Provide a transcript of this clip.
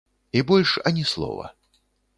І больш ані слова.